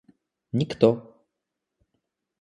никто